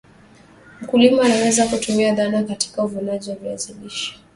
mkulima anaweza kutumia dhana katika uvunaji wa viazi lishe